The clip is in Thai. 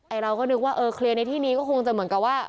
เราก็นึกว่าเออเคลียร์ในที่นี้ก็คงจะเหมือนกับว่า